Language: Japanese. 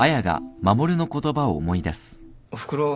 おふくろ